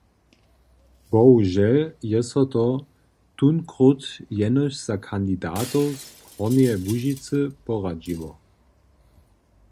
Bohužel je so to tónkróć jenož za kandidatow z Hornjeje Łužicy poradźiło.